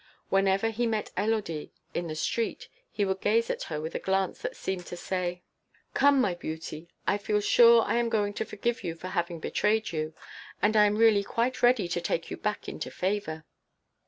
Whenever he met Élodie in the street, he would gaze at her with a glance that seemed to say: "Come, my beauty! I feel sure I am going to forgive you for having betrayed you, and I am really quite ready to take you back into favour."